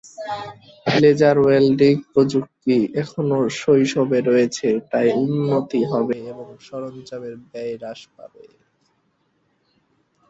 Laser welding প্রযুক্তি এখনও শৈশবে রয়েছে তাই উন্নতি হবে এবং সরঞ্জামের ব্যয় হ্রাস পাবে।